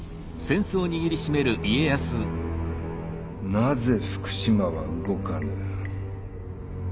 なぜ福島は動かぬ。